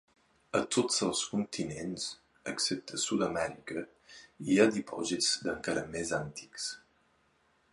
A tots els continents, excepte Sud-Amèrica, hi ha dipòsits de encara més antics.